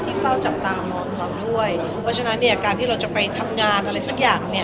เฝ้าจับตามองเราด้วยเพราะฉะนั้นเนี่ยการที่เราจะไปทำงานอะไรสักอย่างเนี่ย